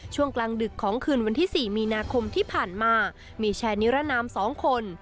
ช่วงกลางดึกของคืนวันที่๔มีนาคมที่ผ่านมามีชายนิรนาม๒คน